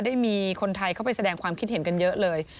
ได้มีคนไทยเข้าไปแสดงความคิดเห็นกันเยอะเลย